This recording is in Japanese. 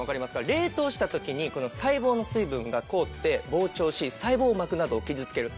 冷凍した時に細胞の水分が凍って膨張し細胞膜などを傷つける。